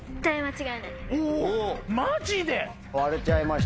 おマジで？